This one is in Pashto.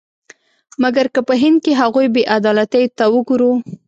مګر که په هند کې هغو بې عدالتیو ته وګورو.